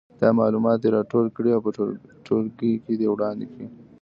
دا معلومات دې راټول کړي او په ټولګي کې دې وړاندې کړي.